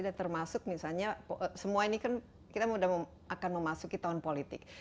dan termasuk misalnya semua ini kan kita akan memasuki tahun politik